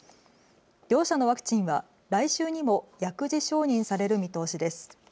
両社のワクチンは来週にも薬事承認される見通しです。